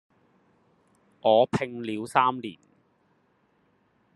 我拼了三年